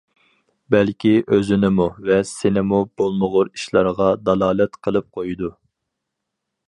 بەلكى ئۆزىنىمۇ ۋە سېنىمۇ بولمىغۇر ئىشلارغا دالالەت قىلىپ قويىدۇ.